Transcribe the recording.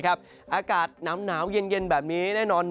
อากาศหนาวเย็นแบบนี้แน่นอน